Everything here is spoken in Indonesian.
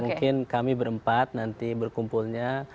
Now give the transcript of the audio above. mungkin kami berempat nanti berkumpulnya